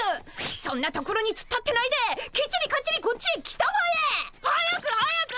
そんなところにつっ立ってないできっちりかっちりこっちへ来たまえ！早く早く！